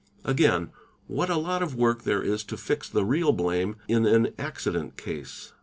Again what a lot of work there is a jo fix the real blame in an accident case.